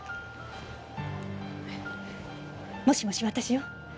もしもし私よ。